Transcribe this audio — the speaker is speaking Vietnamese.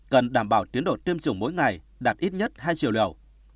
cần đảm bảo tiến độ tiêm chủng mỗi ngày đạt ít nhất hai triệu liều